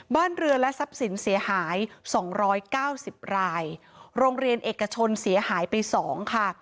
บ้านเรือและทรัพย์สินเสียหายสองร้อยเก้าสิบรายโรงเรียนเอกชนเสียหายไปสองค่ะ